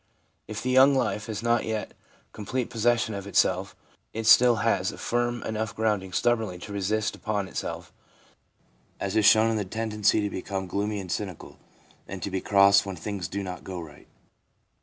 If the young life has not yet complete possession of itself, it still has firm enough grounding stubbornly to insist upon itself, as is shown in the tendency to become gloomy and cynical, and to be cross when things do not go right.